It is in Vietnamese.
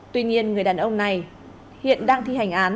tuy nhiên người đàn ông này hiện đang thi hành án nên không có tiền nợ